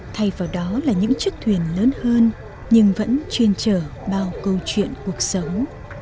thay vào đó là những chiếc thuyền lớn hơn nhưng vẫn chuyên trở bao câu chuyện cuộc sống